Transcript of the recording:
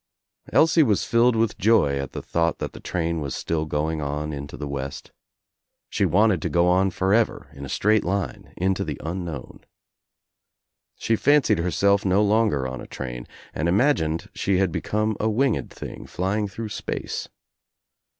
■ Elsie was filled widi joy at the thought that the train was still going on into the West, She wanted to go on forever in a straight line into the unknown. She fancied herself no longer on a train and Imagined . she had become a winged thing flying through space.